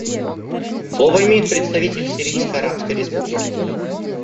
Слово имеет представитель Сирийской Арабской Республики.